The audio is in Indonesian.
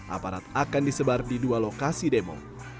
aparat akan disebar di dua lokasi demo